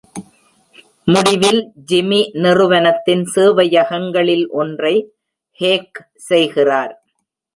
முடிவில், ஜிமி நிறுவனத்தின் சேவையகங்களில் ஒன்றை ஹேக் செய்கிறார்.